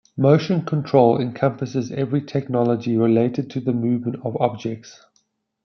Motion Control encompasses every technology related to the movement of objects.